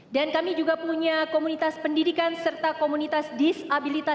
dan kami juga punya komunitas pendidikan serta komunitas disabilitas